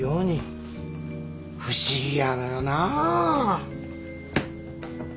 不思議やのよなあ。